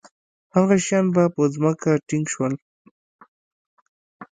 هغه شیان به په ځمکه ټینګ شول.